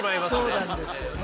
そうなんですよね。